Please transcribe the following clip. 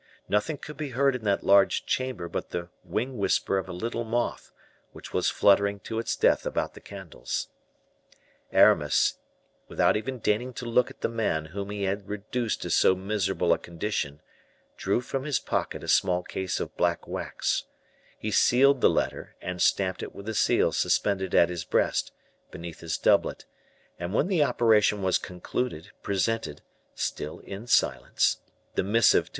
Nothing could be heard in that large chamber but the wing whisper of a little moth, which was fluttering to its death about the candles. Aramis, without even deigning to look at the man whom he had reduced to so miserable a condition, drew from his pocket a small case of black wax; he sealed the letter, and stamped it with a seal suspended at his breast, beneath his doublet, and when the operation was concluded, presented still in silence the missive to M.